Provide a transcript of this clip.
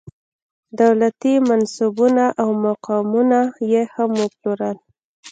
دولتي منصبونه او مقامونه یې هم وپلورل.